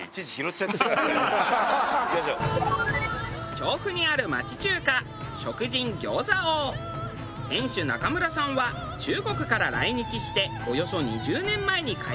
調布にある町中華店主中村さんは中国から来日しておよそ２０年前に開店。